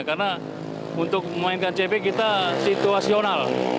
karena untuk memainkan cb kita situasional